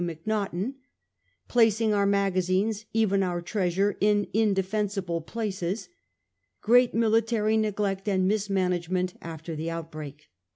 Macnaghten; placing our magazines, even our treasure, in indefensible places ; great military neglect and mismanagement after the outbreak.